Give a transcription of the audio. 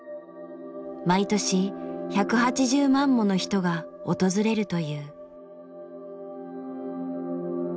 毎年１８０万もの人が訪れるという。